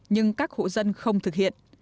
nhưng các hộ dân không thực hiện